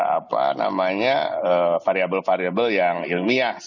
apa namanya variable variable yang ilmiah